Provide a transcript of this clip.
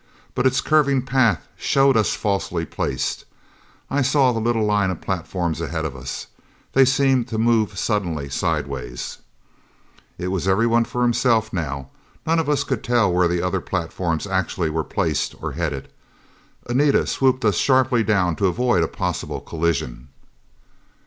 But its curving path showed us falsely placed. I saw the little line of platforms ahead of us. They seemed to move suddenly sidewise. It was everyone for himself now; none of us could tell where the other platforms actually were placed or headed. Anita swooped us sharply down to avoid a possible collision.